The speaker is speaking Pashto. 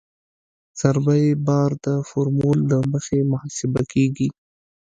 ضربه یي بار د فورمول له مخې محاسبه کیږي